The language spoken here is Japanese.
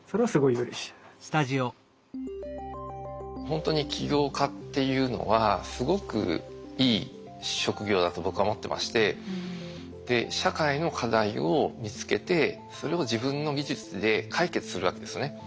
ほんとに起業家っていうのはすごくいい職業だと僕は思ってまして社会の課題を見つけてそれを自分の技術で解決するわけですね。